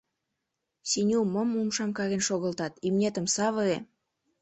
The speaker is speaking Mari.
Сеню, мом умшам карен шогылтат, имнетым савыре!